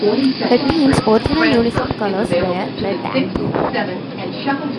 The team's original uniform colors were red and blue.